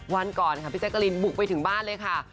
วันก่อนค่ะพี่แจ๊กกะลินบุกไปถึงบ้านเลยค่ะ